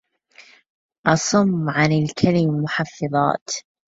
أصم عن الكلم المحفظات